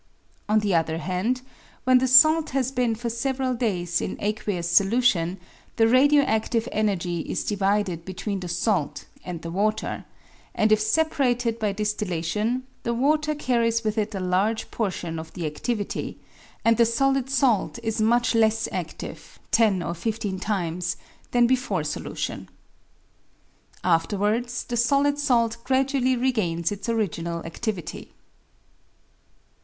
On the other hand, when the salt has been for several days in aqueous solution, the radio active energy is divided between the salt and the water, and if separated by distillation the water carries with it a large portion of the adivity, and the solid salt is much less adive (ten or fifteen times) than before solution. Afterwards the solid salt gradually regains its original adivity.